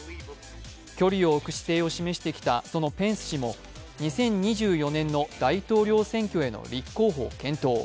距離を置く姿勢を示してきたそのペンス氏も２０２４年の大統領選挙への立候補を検討。